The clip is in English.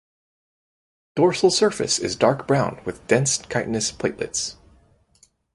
Dorsal surface is dark brown with dense chitinous platelets.